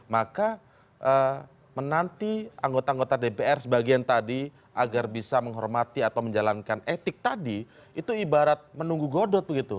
maka menanti anggota anggota dpr sebagian tadi agar bisa menghormati atau menjalankan etik tadi itu ibarat menunggu godot begitu